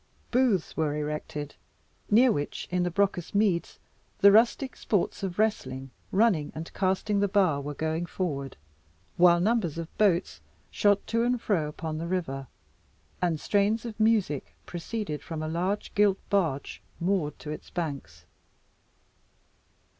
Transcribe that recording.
Booths were erected, near which, in the Brocas meads, the rustic sports of wrestling, running, and casting the bar were going forward, while numbers of boats shot to and fro upon the river, and strains of music proceeded from a large gilt barge moored to its banks.